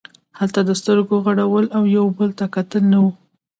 هلته د سترګو غړول او یو بل ته کتل نه وو.